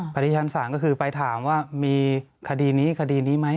พยานชั้นศาลก็คือไปถามว่ามีคดีนี้คดีนี้ไหม